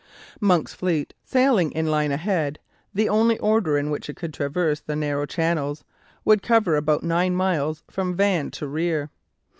Monk's fleet sailing in line ahead, the only order in which it could traverse the narrow channels, would cover about nine miles from van to rear.